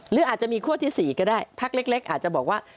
หรืออาจจะมีคั่วที่๔ก็ได้พักเล็กอาจจะบอกว่า